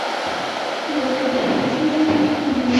بزکشي په کوم موسم کې کیږي؟